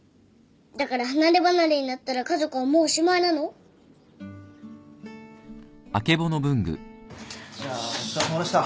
だから離れ離れになったら家族はもうおしまいなの？じゃお疲れさまでした。